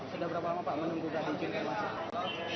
sudah berapa lama pak menunggu adik bapak